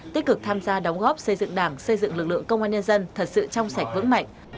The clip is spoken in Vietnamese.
tích cực tham gia đóng góp xây dựng đảng xây dựng lực lượng công an nhân dân thật sự trong sạch vững mạnh